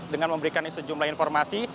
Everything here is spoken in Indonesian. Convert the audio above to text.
dengan memberikan sejumlah informasi